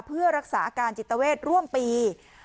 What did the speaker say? เพื่อรักษาอาการจิตเวทร่วมปี